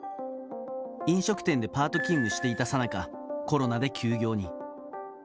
飲食店でパート勤務していたさなか、コロナで休業に。